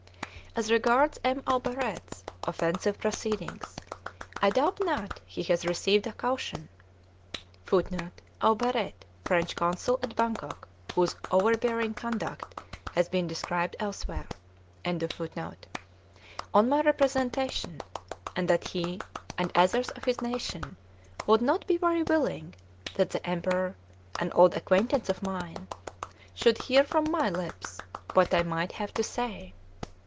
As regards M. Aubaret's offensive proceedings, I doubt not he has received a caution [Footnote: Aubaret, French Consul at Bangkok, whose overbearing conduct has been described elsewhere.] on my representation, and that he, and others of his nation, would not be very willing that the Emperor an old acquaintance of mine should hear from my lips what I might have to say.